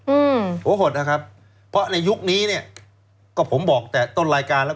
อืมหัวหดนะครับเพราะในยุคนี้เนี้ยก็ผมบอกแต่ต้นรายการแล้ว